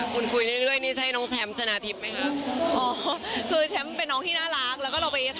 คุณคุยเรื่อยนี่ใช่น้องแชมป์ชนะทิพย์ไหมครับ